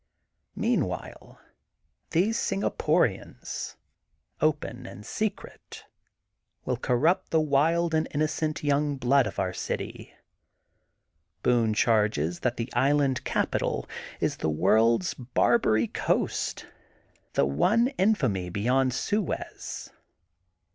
Meanwhile these Singaporians, open and secret, will corrupt the wild and innocent young blood of our city. Boone charges that the island capital is the world's Barbary <^ THE GOLDEN BOOK OF SPRINGFIELD 289 . coast, the one infamy beyond Suez.